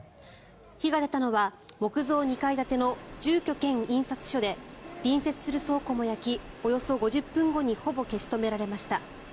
火が出たのは木造２階建ての住居兼印刷所で隣接する倉庫も焼きおよそ５０分後にほぼ消し止められました。